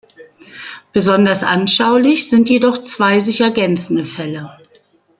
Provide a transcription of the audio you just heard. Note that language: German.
Besonders anschaulich sind jedoch zwei sich ergänzende Fälle.